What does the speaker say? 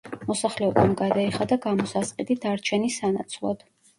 მოსახლეობამ გადაიხადა გამოსასყიდი დარჩენის სანაცვლოდ.